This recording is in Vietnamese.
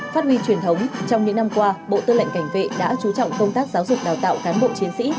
phát huy truyền thống trong những năm qua bộ tư lệnh cảnh vệ đã chú trọng công tác giáo dục đào tạo cán bộ chiến sĩ